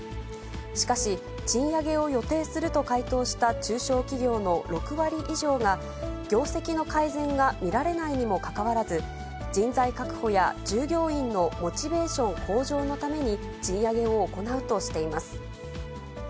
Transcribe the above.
しかし、賃上げを予定すると回答した中小企業の６割以上が、業績の改善が見られないにもかかわらず、人材確保や、従業員のモチベーション向上のために賃上げを行うとしています。